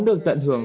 được tận hưởng